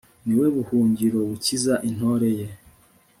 ni we buhungiro bukiza intore ye